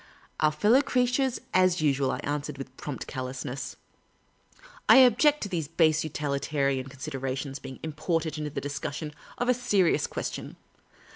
" Our fellow creatures, as usual," I answered, with prompt callousness. " I object to these base utilitarian considera tions being imported into the discussion of a serious ques tion.